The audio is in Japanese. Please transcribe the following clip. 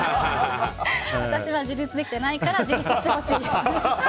私は自立できてないから自立してほしいです。